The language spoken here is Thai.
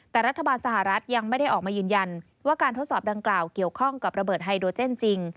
แต่รัฐบาลสหรัฐยังไม่ได้ออกมายืนยันว่าการทดสอบดังกล่าวเกี่ยวข้องกับระเบิดไฮโดรเจนจริง